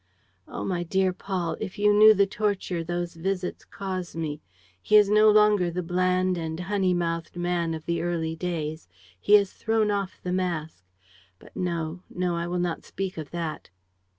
... "Oh, my dear Paul, if you knew the torture those visits cause me! ... He is no longer the bland and honey mouthed man of the early days. He has thrown off the mask. ... But, no, no, I will not speak of that!